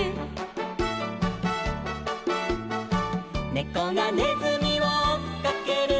「ねこがねずみをおっかける」